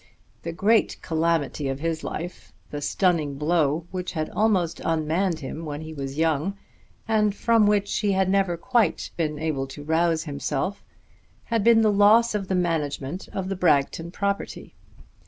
The great calamity of his life, the stunning blow which had almost unmanned him when he was young, and from which he had never quite been able to rouse himself, had been the loss of the management of the Bragton property.